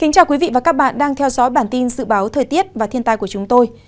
cảm ơn các bạn đã theo dõi và ủng hộ cho bản tin thời tiết và thiên tai của chúng tôi